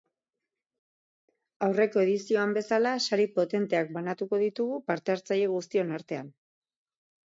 Aurreko edizioan bezala, sari potenteak banatuko ditugu parte hartzaile guztion artean.